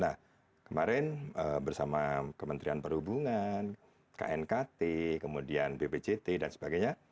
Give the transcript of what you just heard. nah kemarin bersama kementerian perhubungan knkt kemudian bpjt dan sebagainya